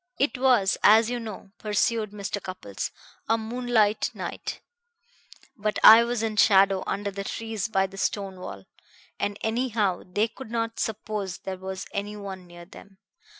"It was, as you know," pursued Mr. Cupples, "a moonlight night; but I was in shadow under the trees by the stone wall, and anyhow they could not suppose there was any one near them.